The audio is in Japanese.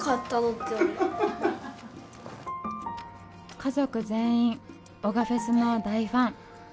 家族全員男鹿フェスの大ファン。